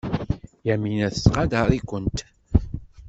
Yamina tettqadar-ikent.